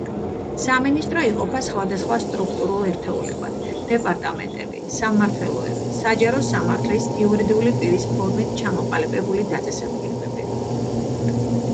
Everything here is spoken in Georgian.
სამინისტრო იყოფა სხვადასხვა სტრუქტურულ ერთეულებად: დეპარტამენტები, სამმართველოები, საჯარო სამართლის იურიდიული პირის ფორმით ჩამოყალიბებული დაწესებულებები.